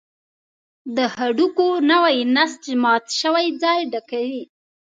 د هډوکي نوی نسج مات شوی ځای ډکوي.